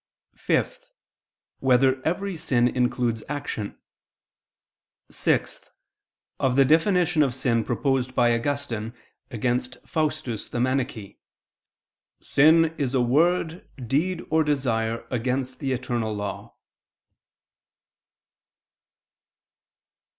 (5) Whether every sin includes action? (6) Of the definition of sin proposed by Augustine (Contra Faust. xxii): "Sin is a word, deed, or desire against the eternal law."